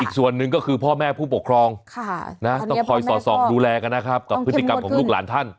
ส่วนหนึ่งก็คือพ่อแม่ผู้ปกครองต้องคอยสอดส่องดูแลกันนะครับกับพฤติกรรมของลูกหลานท่าน